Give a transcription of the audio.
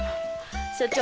所長